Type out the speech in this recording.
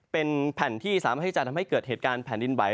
เป็นแผ่นที่สามารถที่จะทำให้เกิดเหตุการณ์แผ่นดินไหว